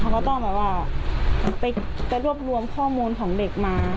เขาก็ต้องแบบว่าไปรวบรวมข้อมูลของเด็กมา